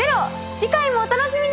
次回もお楽しみに！